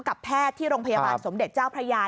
แพทย์ที่โรงพยาบาลสมเด็จเจ้าพระยา